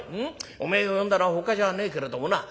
おめえを呼んだのはほかじゃねえけれどもな実はな」。